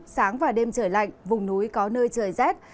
sáng và đêm trời lạnh vùng núi có nơi trời rét